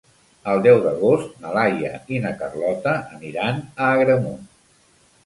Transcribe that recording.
El deu d'agost na Laia i na Carlota aniran a Agramunt.